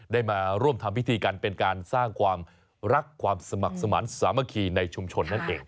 ได้มาร่วมทำพิธีกันเป็นการสร้างความรักความสมัครสมาธิสามัคคีในชุมชนนั่นเอง